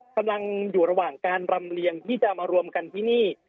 กำลังอยู่ระหว่างการรำเลียงที่จะมารวมกันที่นี่